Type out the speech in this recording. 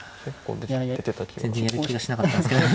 全然やる気がしなかったんですけど。